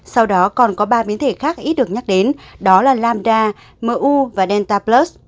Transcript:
sau đó còn có ba biến thể khác ít được nhắc đến đó là lamda mu và delta plus